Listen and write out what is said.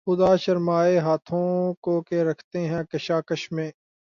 خدا شرمائے ہاتھوں کو کہ رکھتے ہیں کشاکش میں